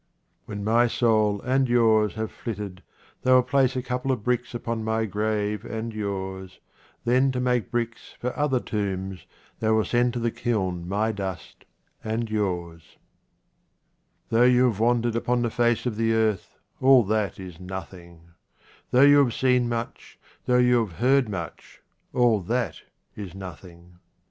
When my soul and yours have flitted, they will place a couple of bricks upon my grave and yours, then to make bricks for other tombs they will send to the kiln my dust and yours. Though you have wandered upon the face of the earth, all that is nothing. Though you have seen much, though you have heard much, 25 QUATRAINS OF OMAR KHAYYAM all that is nothing.